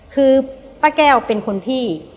คือป้าแก้วเป็นคนที่